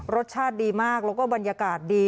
รสชาติดีมากแล้วก็บรรยากาศดี